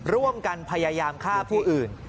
ร่วมกันพยายามฆ่าผู้อื่น